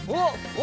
お！